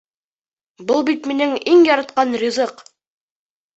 Был бит минең иң яратҡан ризыҡ!